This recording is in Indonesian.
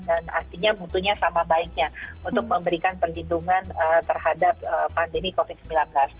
dan artinya butuhnya sama baiknya untuk memberikan perlindungan terhadap pandemi covid sembilan belas